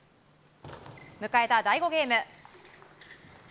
迎えた第５ゲーム。